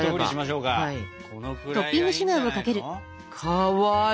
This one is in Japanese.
かわいい！